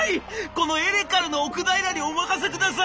このエレカルの奥平にお任せください！」。